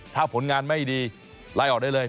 ถ้าผลงานไม่ดีไล่ออกได้เลย